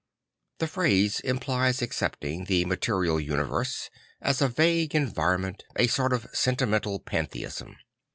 The phrase implies accepting the ma terial universe as a vague en vironmen t, a sort of sentimental pantheism.